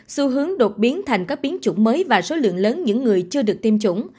xu hướng đột biến thành các biến chủng mới và số lượng lớn những người chưa được tiêm chủng